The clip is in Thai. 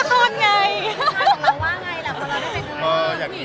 เราลองว่าไงเราได้การหนูอยากหนี